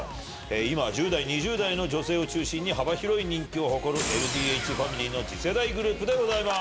今１０代、２０代の女性を中心に幅広い人気を誇る、ＬＤＨファミリーの次世代グループでございます。